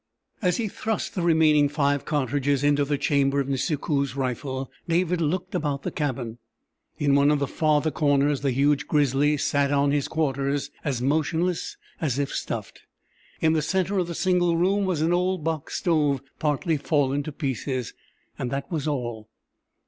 As he thrust the remaining five cartridges into the chamber of Nisikoos' rifle, David looked about the cabin. In one of the farther corners the huge grizzly sat on his quarters as motionless as if stuffed. In the centre of the single room was an old box stove partly fallen to pieces. That was all.